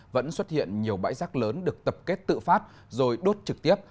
vẫn xuất hiện nhiều bãi rác lớn được tập kết tự phát rồi đốt trực tiếp